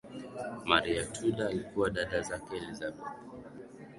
maria tudor alikuwa dada yake elizabeth